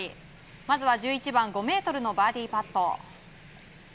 まずは１１番５ｍのバーディーパット。